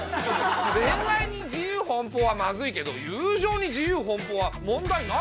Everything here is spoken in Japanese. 恋愛に自由奔放はまずいけど友情に自由奔放は問題ないだろ。